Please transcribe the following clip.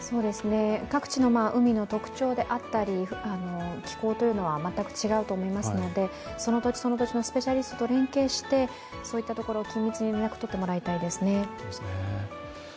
各地の海の特徴であったり気候というのは全く違うと思いますのでその土地その土地のスペシャリストと連携してそういったところを緊密に連絡を取ってもらいたいですね。